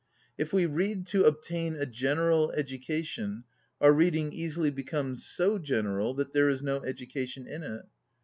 If we read to obtain a general education, our read ing easily becomes so general that there is no education in it.